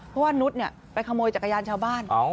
เพราะว่านุษย์ไปขโมยจักรยานชาวบ้าน